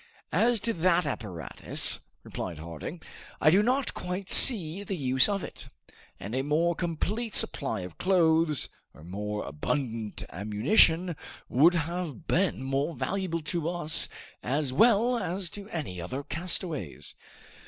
"As to that apparatus," replied Harding, "I do not quite see the use of it; and a more complete supply of clothes or more abundant ammunition would have been more valuable to us as well as to any other castaways!"